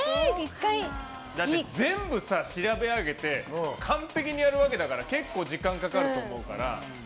全部調べ上げて完璧にやるわけだから結構、時間がかかると思うから。